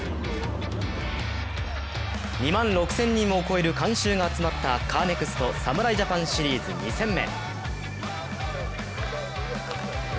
２万６０００人を超える観衆が集まったカーネクスト侍ジャパンシリーズ２戦目。